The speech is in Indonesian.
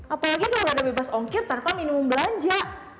apalagi kalau anda bebas ongkir tanpa minimum belanja